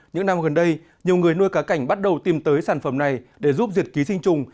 những năm gần đây nhiều người nuôi cá cảnh bắt đầu tìm tới sản phẩm này để giúp diệt ký sinh trùng